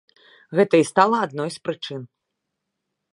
Гэта і стала адной з прычын.